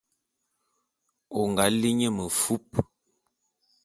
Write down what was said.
O nga li nye mefup.